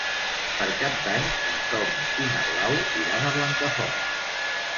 Per Cap d'Any en Tom i na Blau iran a Blancafort.